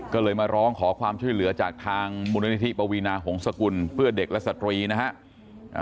ก็เลยมาร้องขอความช่วยเหลือจากทางมูลนิธิปวีนาหงษกุลเพื่อเด็กและสตรีนะฮะ